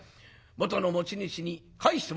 元の持ち主に返してもらいたい」。